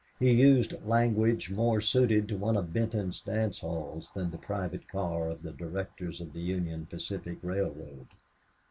He used language more suited to one of Benton's dance halls than the private car of the directors of the Union Pacific Railroad.